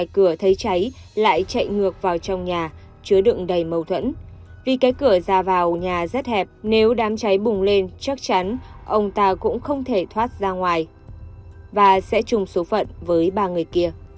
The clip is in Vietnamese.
khi cái cửa ra vào nhà rất hẹp nếu đám cháy bùng lên chắc chắn ông ta cũng không thể thoát ra ngoài và sẽ chung số phận với ba người kia